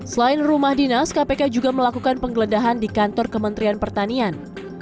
selain rumah dinas kpk juga melakukan penggeledahan di kantor kementerian pertanian